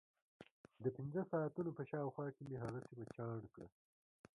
د پنځه ساعتونو په شاوخوا کې مې هغه سیمه چاڼ کړه.